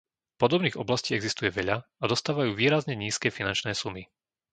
Podobných oblastí existuje veľa a dostávajú výrazne nízke finančné sumy.